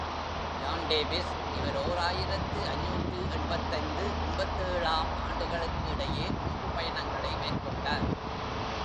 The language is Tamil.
ஜான் டேவிஸ் இவர் ஓர் ஆயிரத்து ஐநூற்று எண்பத்தைந்து எண்பத்தேழு ஆம் ஆண்டுகளுக்கிடையே மூன்று பயணங்களை மேற்கொண்டார்.